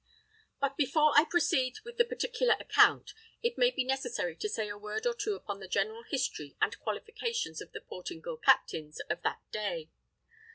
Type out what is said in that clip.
But before I proceed with the particular account, it may be necessary to say a word or two upon the general history and qualifications of the Portingal captains of that day.